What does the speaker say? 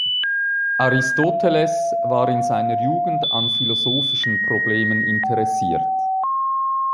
Aristoteles war in seiner Jugend an philosophischen Problemen interessiert.